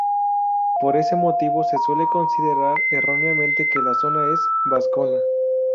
Por ese motivo se suele considerar erróneamente que la zona es "vascona".